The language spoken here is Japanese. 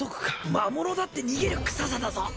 ・魔物だって逃げる臭さだぞ